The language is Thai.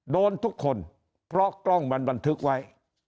โดนทุกคนเพราะกล้องมันบันทึกไว้